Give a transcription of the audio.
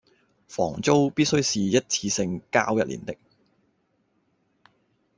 房租必須是一次性交一年的